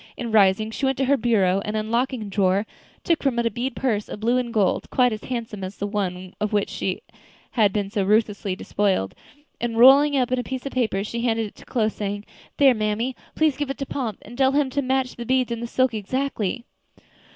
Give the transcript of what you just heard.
And rising, she went to her bureau, and unlocking a drawer, took from it a bead purse of blue and gold, quite as handsome as the one of which she had been so ruthlessly despoiled, and rolling it up in a piece of paper, she handed it to Chloe, saying: "There, mammy, please give it to Pomp, and tell him to match the beads and the silk exactly."